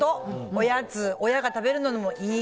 おやつ、親が食べるのにもいい。